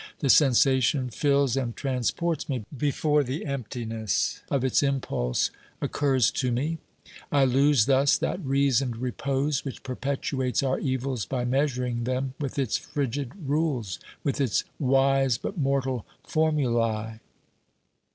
The sensation fills and trans ports me before the emptiness of its impulse occurs to me; I lose thus that reasoned repose which perpetuates our evils by measuring them with its frigid rules, with its wise but mortal formulae.